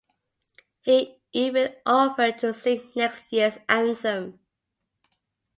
He even offered to sing next years anthem.